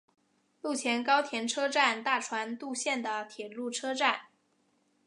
陆前高田车站大船渡线的铁路车站。